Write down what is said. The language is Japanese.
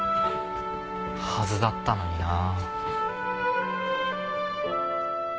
はずだったのになあ。